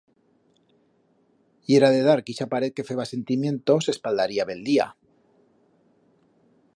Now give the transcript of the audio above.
Yera de dar que ixa paret que feba sentimiento s'espaldaría bel día.